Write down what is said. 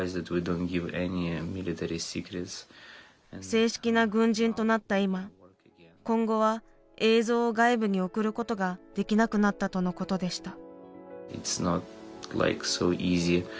正式な軍人となった今今後は映像を外部に送ることができなくなったとのことでした。